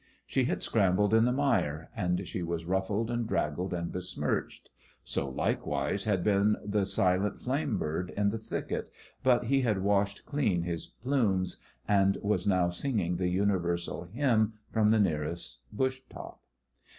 She had scrambled in the mire, and she was ruffled and draggled and besmirched; so likewise had been the silent flame bird in the thicket, but he had washed clean his plumes and was now singing the universal hymn from the nearest bush top.